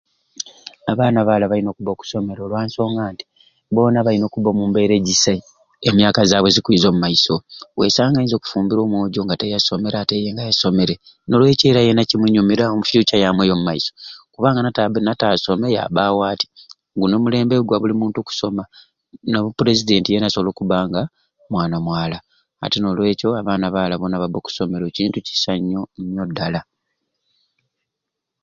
Abaana abaala baina okubba okwisomero lwansonga nti boona balina okubba omumbeera egisai emyaka zaabwe ezikwiiza omu maiso wesanga nga ainza okufumbirwa omwojo nga tiyasomere ate ye yasomere n'olwekyo yeena kimunyumira omu fyuca yamwe eya mumaiso kubanga nataabbe nataasome yabbaawo atyai guni omulembe gwa buli muntu kusoma no pulezidenti yeena asobola okubba nga mwana mwaala ati n'olwekyo n'abaana abaala boona babe okusomero kintu kisa nyo nyo ddala.